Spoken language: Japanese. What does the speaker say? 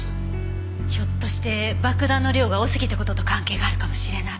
ひょっとして爆弾の量が多すぎた事と関係があるかもしれない。